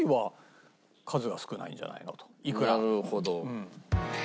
なるほど。